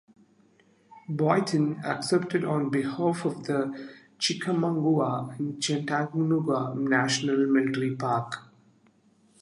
Boynton accepted on behalf of the Chickamauga and Chattanooga National Military Park.